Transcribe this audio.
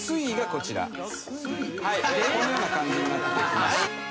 このような感じになっています。